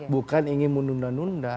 bukan ingin menunda nunda